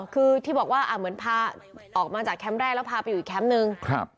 คือที่บอกว่าเหมือนพาออกมาจากแคมป์แรกแล้วพาไปอยู่อีกแคมป์นึง